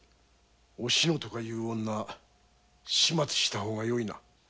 おしのとかいう女始末した方がよいな。